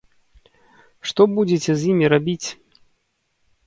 Што будзеце з імі рабіць?